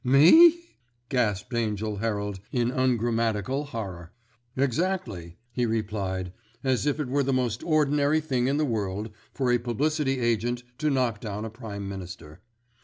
"Me!" gasped Angell Herald in ungrammatical horror. "Exactly," he replied, as if it were the most ordinary thing in the world for a publicity agent to knock down a Prime Minister.